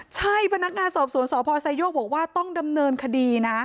ใช่พนักงานสอบสวนสพไซโยกบอกว่าต้องดำเนินคดีนะ